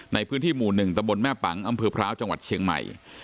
ในพื้นที่หมู่๑ตะบนแม่ปังอำเภอพร้าวจังหวัดเชียงใหม่